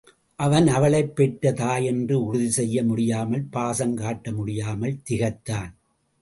அவன் அவளைப் பெற்ற தாய் என்று உறுதி செய்ய முடியாமல் பாசம் காட்ட முடியாமல் திகைத்தான்.